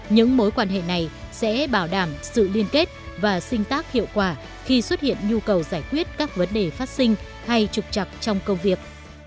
những mối quan hệ này sẽ bảo đảm sự liên kết và sinh tác hiệu quả khi xuất hiện nhu cầu giải quyết các vấn đề phát sinh hay trục chặt trong công việc